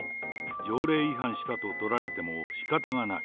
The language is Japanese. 条例違反したと取られてもしかたがない。